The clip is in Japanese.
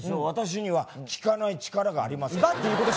私には聞かない力があります。